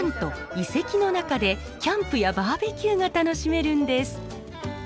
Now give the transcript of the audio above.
遺跡の中でキャンプやバーベキューが楽しめるんです。